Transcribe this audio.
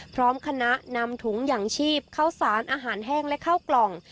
พร้อมคณะนำถุงอย่างชีพเข้าสารอาหารแห้งและข้าวกล่อง